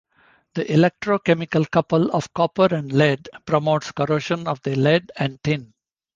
The electrochemical couple of copper and lead promotes corrosion of the lead and tin.